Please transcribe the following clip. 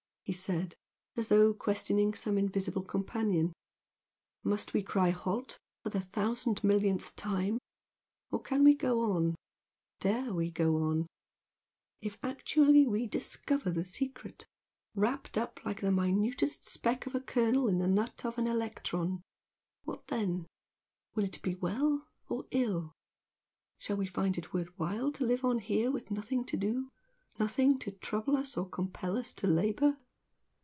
he said, as though questioning some invisible companion; "Must we cry 'halt!' for the thousand millionth time? Or can we go on? Dare we go on? If actually we discover the secret wrapped up like the minutest speck of a kernel in the nut of an electron, what then? Will it be well or ill? Shall we find it worth while to live on here with nothing to do? nothing to trouble us or compel us to labour?